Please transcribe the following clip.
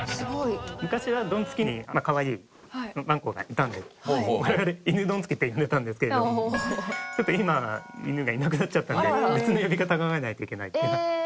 昔はドンツキにかわいいわんこがいたんで我々犬ドンツキって呼んでたんですけどちょっと今犬がいなくなっちゃったんで別の呼び方考えないといけない。